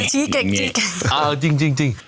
ชี้เก่ง